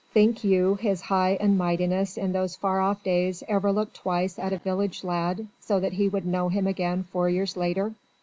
Think you his High and Mightiness in those far off days ever looked twice at a village lad so that he would know him again four years later?